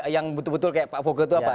yang betul betul kayak pak fogo itu apa